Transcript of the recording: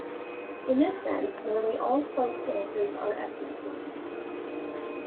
In this sense, nearly all folk dances are ethnic ones.